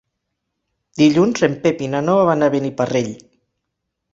Dilluns en Pep i na Noa van a Beniparrell.